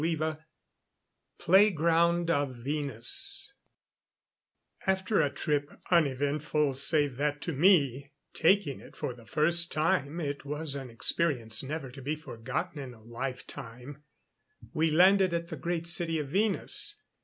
CHAPTER XVI Playground of Venus After a trip uneventful save that to me, taking it for the first time, it was an experience never to be forgotten in a lifetime we landed at the Great City of Venus.